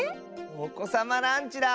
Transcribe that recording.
おこさまランチだ！